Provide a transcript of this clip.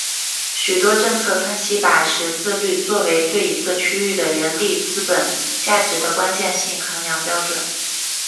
许多政策分析把识字率作为对一个区域的人力资本价值的关键性衡量标准。